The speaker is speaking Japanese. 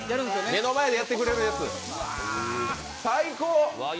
目の前でやってくれるやつ、最高！